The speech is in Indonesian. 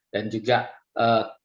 dan juga kita harus berharga